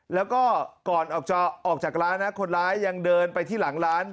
แล้วก็ก่อนออกจากร้านนะคนร้ายยังเดินไปที่หลังร้าน